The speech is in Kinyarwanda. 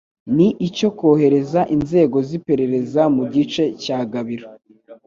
ni icyo kohereza inzego z'iperereza mu gice cya Gabiro,